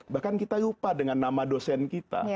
bahkan kita lupa dengan nama dosen kita